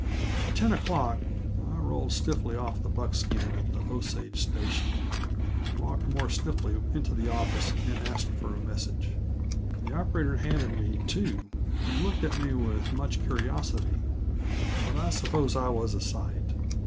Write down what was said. At ten o'clock I rolled stiffly off the buckskin at the Osage station, walked more stiffly into the office, and asked for a message. The operator handed me two, and looked at me with much curiosity but I suppose I was a sight.